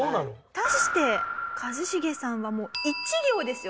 対して一茂さんはもう一行ですよ